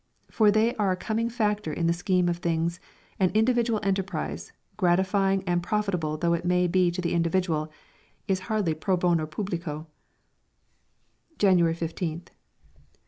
For they are a coming factor in the scheme of things, and individual enterprise, gratifying and profitable though it may be to the individual, is hardly pro bono publico. _January 15th.